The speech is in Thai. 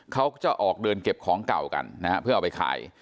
เขาก็จะออกเดินเก็บของเก่ากันนะฮะเพื่อเอาไปขาย